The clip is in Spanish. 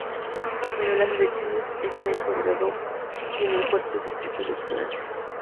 Para las elecciones está encuadrado en el Cuarto Distrito Electoral.